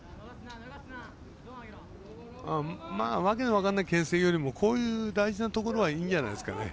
訳の分かんないけん制よりもこういう大事なところはいいんじゃないですかね。